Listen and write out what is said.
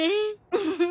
ウフフ。